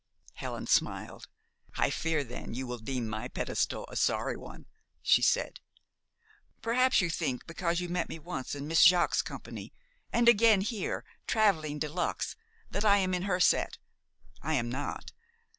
Helen smiled. "I fear, then, you will deem my pedestal a sorry one," she said. "Perhaps you think, because you met me once in Miss Jaques's company, and again here, traveling de luxe, that I am in her set. I am not.